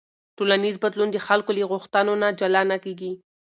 ټولنیز بدلون د خلکو له غوښتنو نه جلا نه کېږي.